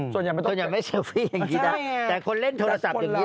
ส่วนใหญ่ไม่เชิลฟี่อย่างนี้นะแต่คนเล่นโทรศัพท์อย่างนี้เลยนะ